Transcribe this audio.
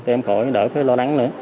tụi em khỏi đỡ cái lo lắng nữa